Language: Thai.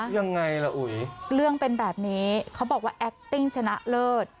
ยังไงล่ะอุ๋ยเรื่องเป็นแบบนี้เขาบอกว่าแอคติ้งชนะเลิศ